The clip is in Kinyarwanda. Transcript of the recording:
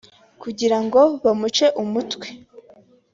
kugira ngo bamuce umutwe